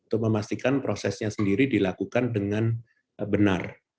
untuk memastikan prosesnya sendiri dilakukan dengan benar